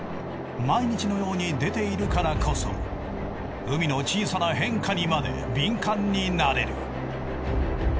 毎日のように出ているからこそ海の小さな変化にまで敏感になれる。